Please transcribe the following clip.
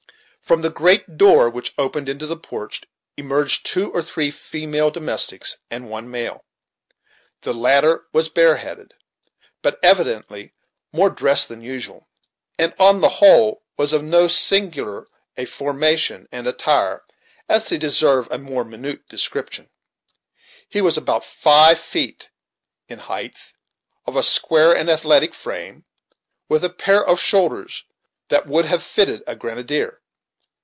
From the great door which opened into the porch emerged two or three female domestics, and one male. The latter was bareheaded, but evidently more dressed than usual, and on the whole was of so singular a formation and attire as to deserve a more minute description. He was about five feet in height, of a square and athletic frame, with a pair of shoulders that would have fitted a grenadier.